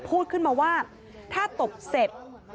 พูดขึ้นมาว่าถ้าตบเสร็จ